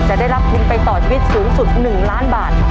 ได้รับทุนไปต่อชีวิตสูงสุด๑ล้านบาท